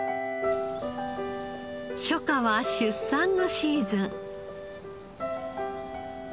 初夏は出産のシーズン。